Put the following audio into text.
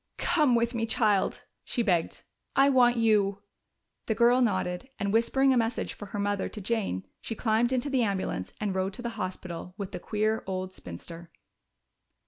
"Come with me, child!" she begged. "I want you." The girl nodded, and whispering a message for her mother to Jane, she climbed into the ambulance and rode to the hospital with the queer old spinster.